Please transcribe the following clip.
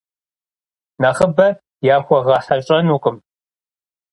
Нэхъыбэ яхуэгъэхьэщӏэнукъым.